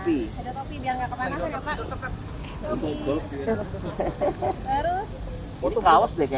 ya boleh ya